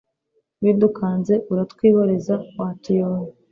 bidukanze uratwihoreza, watuyoboye